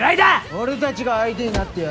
俺たちが相手になってやるよ。